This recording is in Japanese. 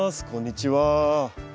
こんにちは。